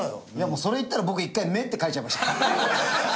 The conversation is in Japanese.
それ言ったら僕１回「め」って書いちゃいました。